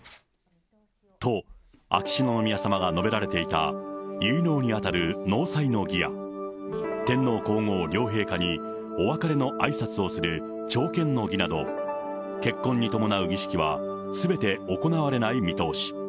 と、秋篠宮さまが述べられていた結納に当たる納采の儀や、天皇皇后両陛下にお別れのあいさつをする朝見の儀など、結婚に伴う儀式はすべて行われない見通し。